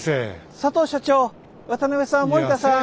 佐藤所長渡邊さん森田さん